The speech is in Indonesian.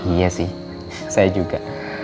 iya sih saya juga